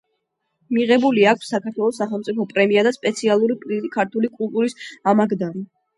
მიღებული აქვს საქართველოს სახელმწიფო პრემია და სპეციალური პრიზი „ქართული კულტურის ამაგდარი“.